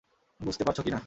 বুঝতে পারছো কি-না?